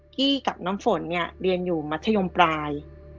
กี้กับน้ำฝนเนี่ยเรียนอยู่มัธยมปลาย